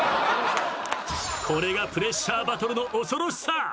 これがプレッシャーバトルの恐ろしさ！